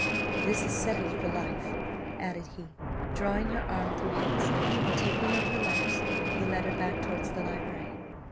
This is settled for life," added he, drawing her arm through his, and taking up her letters, he led her back towards the library.